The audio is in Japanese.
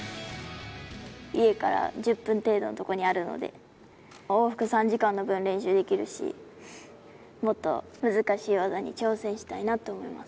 家から１０分程度の所にあるので、往復３時間の分、練習できるし、もっと難しい技に挑戦したいなと思います。